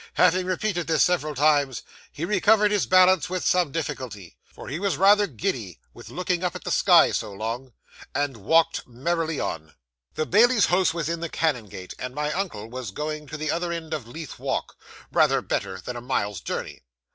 Having repeated this, several times, he recovered his balance with some difficulty for he was rather giddy with looking up into the sky so long and walked merrily on. 'The bailie's house was in the Canongate, and my uncle was going to the other end of Leith Walk, rather better than a mile's journey.